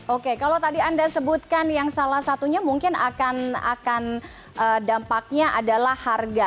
oke kalau tadi anda sebutkan yang salah satunya mungkin akan dampaknya adalah harga